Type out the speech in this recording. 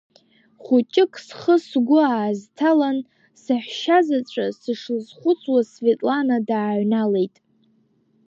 Хәыҷык схы-сгәы аазҭалан, саҳәшьа заҵәы сышлызхәыцуаз, Светлана дааҩналеит.